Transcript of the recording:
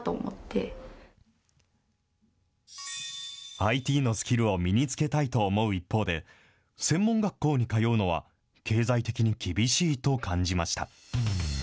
ＩＴのスキルを身につけたいと思う一方で、専門学校に通うのは経済的に厳しいと感じました。